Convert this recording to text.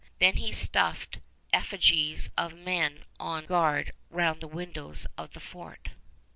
Then he stuffed effigies of men on guard round the windows of the fort.